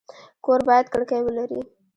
کور باید کړکۍ ولري